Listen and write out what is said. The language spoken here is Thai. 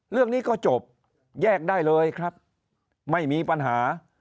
เรื่องนี้ก็จบแยกได้เลยครับไม่มีปัญหา